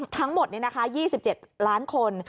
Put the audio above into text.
ทั้งหมดนี่นะคะ๒๗ล้านคน